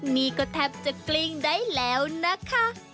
นี่ก็แทบจะกลิ้งได้แล้วนะคะ